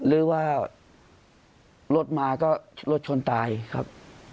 หรือว่ารถมาก็รถชนตายครับ